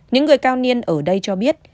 những người cao niên ở đây cho biết